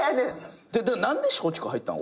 何で松竹入ったん？